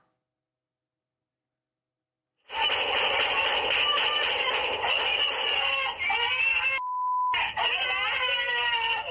งั่วเลยใครเนี่ย